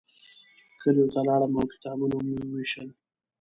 کلیو ته لاړم او کتابونه مې ووېشل.